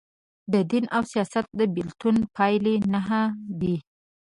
د دین او سیاست د بیلتون پایلي نهه دي.